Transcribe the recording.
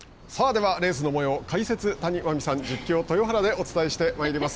では、レースのもよう解説谷真海さん、実況豊原でお伝えしてまいります。